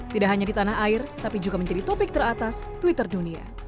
tidak hanya di tanah air tapi juga menjadi topik teratas twitter dunia